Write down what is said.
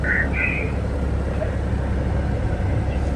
Mara nyingi wanyama wenye hali nzuri kiafya katika kundi huambukizwa